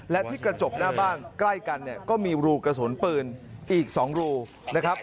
และที่กระจกหน้าบ้านใกล้กันเนี่ยก็มีรูกระสุนปืนอีก๒รูนะครับ